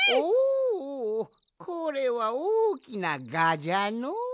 おこれはおおきなガじゃのう。